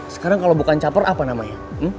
sekarang kalo bukan chopper apa namanya